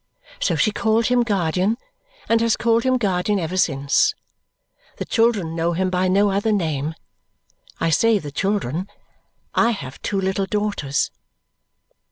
So she called him guardian, and has called him guardian ever since. The children know him by no other name. I say the children; I have two little daughters.